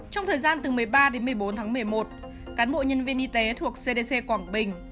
trong thời gian từ một mươi ba đến một mươi bốn tháng một mươi một cán bộ nhân viên y tế thuộc cdc quảng bình